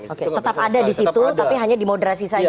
oke tetap ada di situ tapi hanya dimoderasi saja